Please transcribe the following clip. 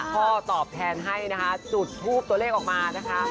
พ่อตอบแทนให้จุดทูบตัวเลขออกมา